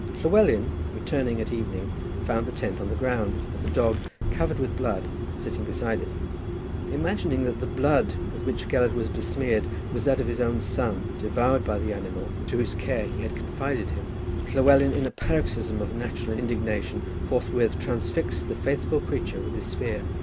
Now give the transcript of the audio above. Llywelyn, returning at evening, found the tent on the ground, and the dog, covered with blood, sitting beside it. Imagining that the blood with which Gelert was besmeared was that of his own son, devoured by the animal to whose care he had confided him, Llywelyn, in a paroxysm of natural indignation, forthwith transfixed the faithful creature with his spear.